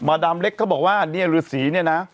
ดามเล็กเขาบอกว่าเนี่ยฤษีเนี่ยนะ